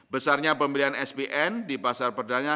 besarnya pembelian spn di pasar perdagangan